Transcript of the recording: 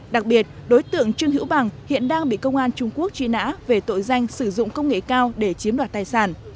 đặc biệt đối tượng trương hữu bằng hiện đang bị công an trung quốc truy nã về tội danh sử dụng công nghệ cao để chiếm đoạt tài sản